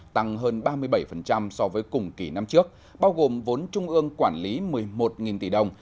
tăng hơn ba mươi bảy so với cùng kỳ năm trước bao gồm vốn trung ương quản lý một mươi một tỷ đồng